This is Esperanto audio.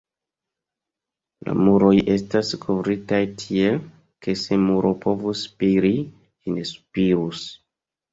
La muroj estas kovritaj tiel, ke se muro povus spiri, ĝi ne spirus.